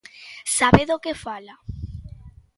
Sabe do que fala.